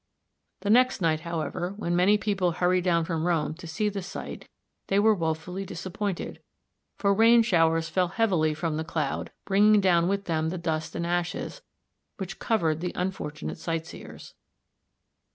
The next night, however, when many people hurried down from Rome to see the sight they were woefully disappointed, for rain showers fell heavily from the cloud, bringing down with them the dust and ashes, which covered the unfortunate sight seers.